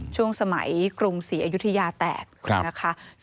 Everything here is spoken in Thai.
ช่วงสมัยกรุงศรีอยุธยาแตกนะคะ